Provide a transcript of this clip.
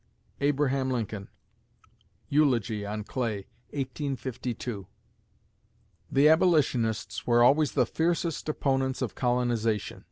ABRAHAM LINCOLN (Eulogy on Clay, 1852) The abolitionists were always the fiercest opponents of colonization.